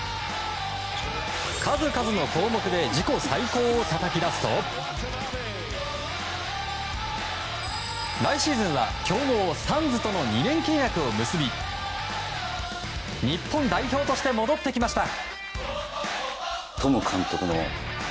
数々の項目で自己最高をたたき出すと来シーズンは強豪サンズとの２年契約を結び日本代表として帰ってきました。